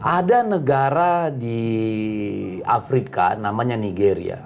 ada negara di afrika namanya nigeria